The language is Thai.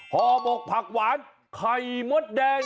หม่อปรกผักหวานไขมรดแดง